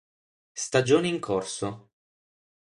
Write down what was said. Stagione in corso.